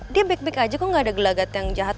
dia big big aja kok gak ada gelagat yang jahat